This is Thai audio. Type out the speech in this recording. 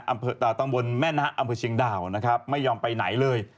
ตำบลแม่นะอำเภอเชียงดาวนะครับไม่ยอมไปไหนเลย